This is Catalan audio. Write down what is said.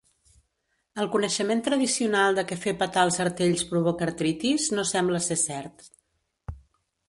El coneixement tradicional de que fer petar els artells provoca artritis no sembla ser cert.